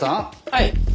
はい。